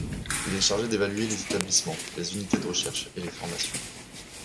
Il est chargé d’évaluer les établissements, les unités de recherches et les formations.